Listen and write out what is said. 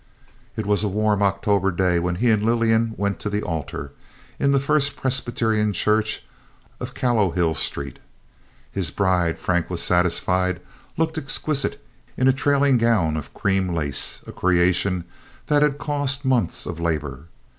It was a warm October day when he and Lillian went to the altar, in the First Presbyterian Church of Callowhill Street. His bride, Frank was satisfied, looked exquisite in a trailing gown of cream lace—a creation that had cost months of labor.